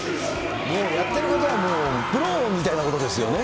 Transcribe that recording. もうやってることはプロみたいなことですよね。